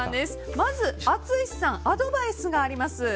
まず淳さんアドバイスがあります。